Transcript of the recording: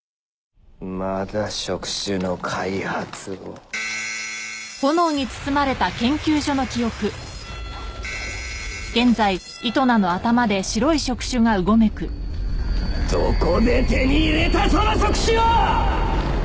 まだ触手の開発をどこで手に入れたその触手を！